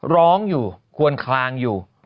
ร้องอยู่ควรคลางอยู่